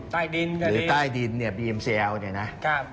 ใต้ดินหรือใต้ดินเนี่ยบีมเซลเนี่ยนะครับ